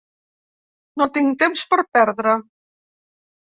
No tinc temps per perdre.